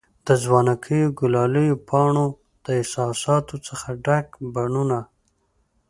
د ځوانکیو، ګلالیو پانو د احساساتو څخه ډک بڼوڼه